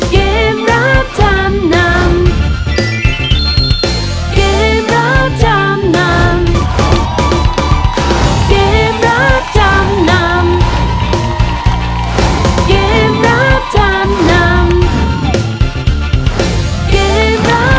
เกมรับจำนำ